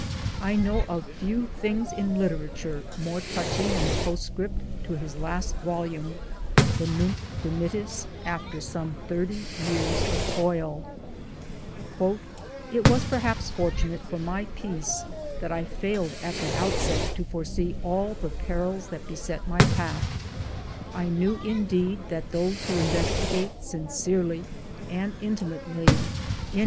I know of few things in literature more touching than the postscript to his last volume the Nunc Dimittis after some thirty years of toil : "It was perhaps fortunate for my peace that I failed at the outset to foresee all the perils that beset my path. I knew indeed that those who investigate sincerely and intimately any.